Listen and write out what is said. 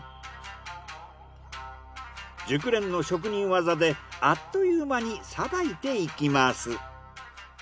熟練の職人技であっという間にさばいていきます。